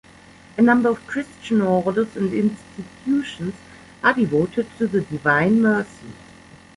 A number of Christian orders and institutions are devoted to the Divine Mercy.